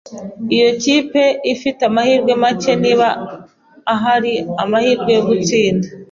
Iyo kipe ifite amahirwe make, niba ahari, amahirwe yo gutsinda.